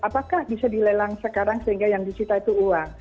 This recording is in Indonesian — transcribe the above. apakah bisa dilelang sekarang sehingga yang dicipta itu uang